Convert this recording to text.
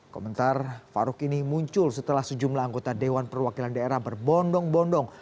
komentar farouk ini muncul setelah sejumlah anggota dewan perwakilan daerah berbondong bondong